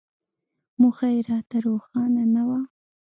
موخه یې راته روښانه نه وه.